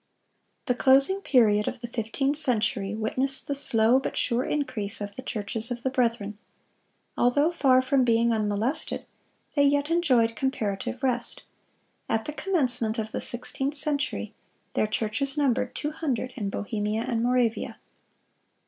"(157) "The closing period of the fifteenth century witnessed the slow but sure increase of the churches of the Brethren. Although far from being unmolested, they yet enjoyed comparative rest. At the commencement of the sixteenth century, their churches numbered two hundred in Bohemia and Moravia."